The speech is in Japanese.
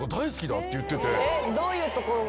どういうところが？